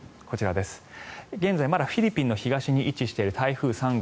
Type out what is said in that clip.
現在まだフィリピンの東に位置している台風３号